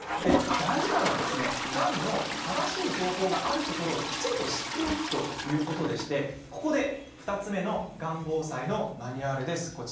大事なのはがんの正しい情報があるところをきちんと知っておくということでしてここで２つ目のがん防災のマニュアルです。